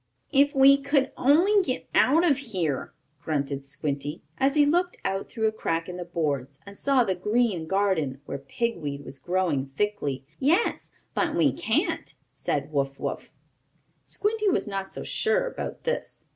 "If we could only get out of here!" grunted Squinty, as he looked out through a crack in the boards and saw the green garden, where pig weed was growing thickly. "Yes, but we can't," said Wuff Wuff. Squinty was not so sure about this.